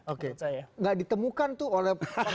oke gak ditemukan tuh oleh